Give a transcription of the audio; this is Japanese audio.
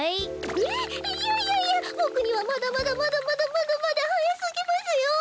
えっいやいやいやぼくにはまだまだまだまだまだまだはやすぎますよ。